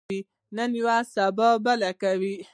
نن یوه، سبا بله کوي.